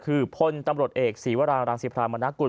ก็คือพลตำรวจเอกศรีวราณรังศรีพราณบรรณากุล